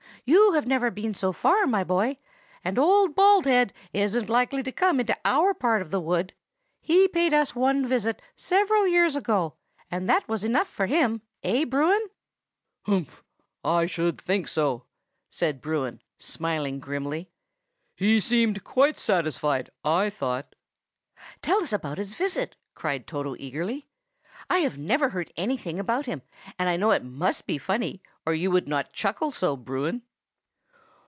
You have never been so far, my dear boy, and Old Baldhead isn't likely to come into our part of the wood. He paid us one visit several years ago, and that was enough for him, eh, Bruin?" "Humph! I think so!" said Bruin, smiling grimly. "He seemed quite satisfied, I thought." "Tell us about his visit!" cried Toto eagerly. "I have never heard anything about him, and I know it must be funny, or you would not chuckle so, Bruin."